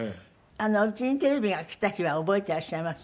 家にテレビが来た日は覚えていらっしゃいます？